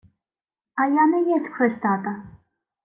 — А я не есмь хрестата.